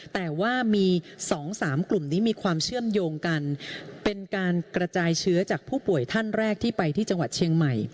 แต่ว่ามี๒๓กลุ่มนี้มีความเชื่อมโยงกันเป็นการกระจายเชื้อจากผู้ป่วยท่านแรกที่ไปที่จังหวัดเชียงใหม่